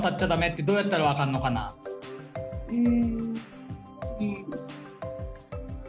うん。